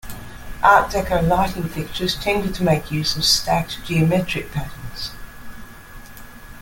Art Deco lighting fixtures tended to make use of stacked geometric patterns.